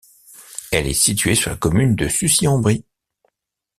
Elle est située sur la commune de Sucy-en-Brie.